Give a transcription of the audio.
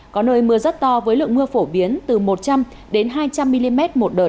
có nơi mưa rất to với lượng mưa phổ biến từ một trăm linh hai trăm linh mm một đợt có nơi trên hai trăm năm mươi mm một đợt